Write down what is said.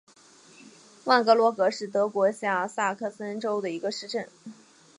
万格罗格是德国下萨克森州的一个市镇。